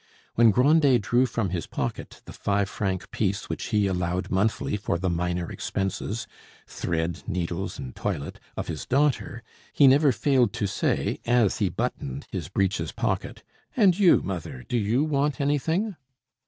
When Grandet drew from his pocket the five franc piece which he allowed monthly for the minor expenses, thread, needles, and toilet, of his daughter, he never failed to say as he buttoned his breeches' pocket: "And you, mother, do you want anything?"